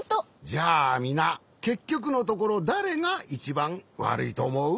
じゃあみなけっきょくのところだれがいちばんわるいとおもう？